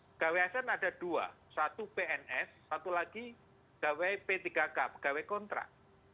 pegawai asn ada dua satu pns satu lagi pegawai p tiga k pegawai kontrak